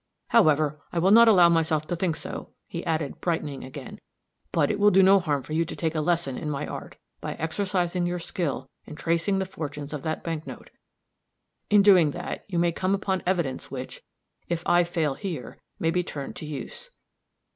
However, I will not allow myself to think so," he added, brightening again; "but it will do no harm for you to take a lesson in my art, by exercising your skill in tracing the fortunes of that bank note. In doing that, you may come upon evidence which, if I fail here, may be turned to use."